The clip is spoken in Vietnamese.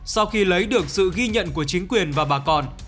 sau khi lấy được sự ghi nhận của chính quyền và bà con